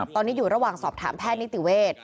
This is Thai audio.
ตอนนี้อยู่ระหว่างสอบถามแพทย์นิติเวทย์